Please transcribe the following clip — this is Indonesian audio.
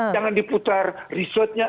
jangan diputar risetnya